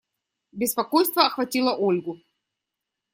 Беспокойство охватило Ольгу.